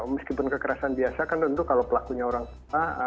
meskipun kekerasan biasa kan tentu kalau pelakunya orang tua